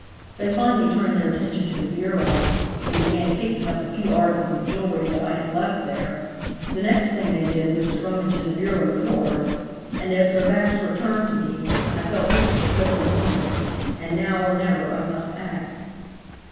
They finally turned their attention to the bureau, and began picking up the few articles of jewelry that I had left there. The next thing they did was to rummage in the bureau drawers, and as their backs were turned to me I felt this was the critical moment, and now or never I must act.